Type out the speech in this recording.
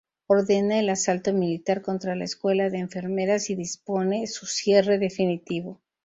Ordena el asalto militar contra la Escuela de Enfermeras, y dispone su cierre definitivo.